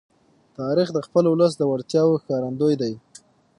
تاریخ د خپل ولس د وړتیاو ښکارندوی دی.